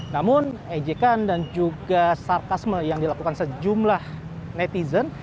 namun ejekan dan juga sarkasme yang dilakukan sejumlah netizen